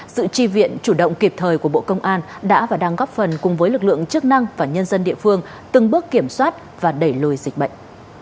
sự tri viện chủ động kịp thời của bộ công an đã và đang góp phần cùng với lực lượng chức năng và nhân dân địa phương từng bước kiểm soát và đẩy lùi dịch bệnh